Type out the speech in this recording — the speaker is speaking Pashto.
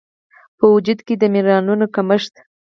په وجود کې د مېنرالونو کمښت